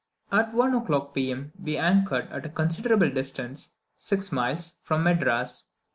At 1 o'clock, P.M., we anchored at a considerable distance (six miles) from Madras.